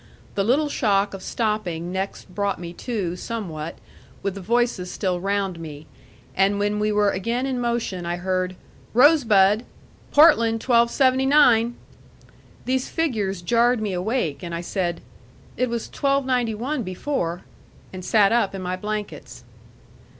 The little shock of stopping next brought me to, somewhat, with the voices still round me; and when we were again in motion, I heard: "Rosebud! Portland 1279!" These figures jarred me awake, and I said, "It was 1291 before," and sat up in my blankets.